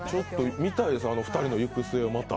見たいです、２人の行く末をまた。